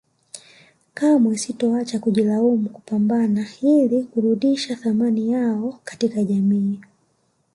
Kamwe sitoacha kujilaumu kupambana ili kuludisha thamani yao katika jamii